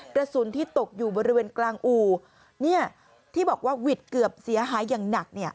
กระสุนที่ตกอยู่บริเวณกลางอู่ที่บอกว่าวิทย์เกือบเสียหายอย่างหนัก